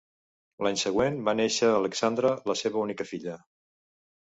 L'any següent va néixer Alexandra, la seva única filla.